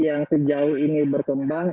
yang sejauh ini berkembang